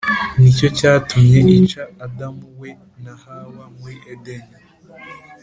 ni cyo cyatumye ica adamu, we na hawa, muri edeni,